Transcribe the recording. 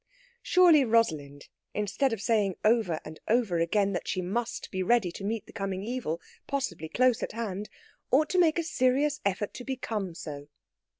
Surely Rosalind, instead of saying over and over again that she must be ready to meet the coming evil, possibly close at hand, ought to make a serious effort to become so.